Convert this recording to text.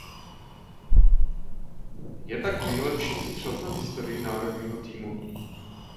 Je tak nejlepším střelcem v historii národního týmu.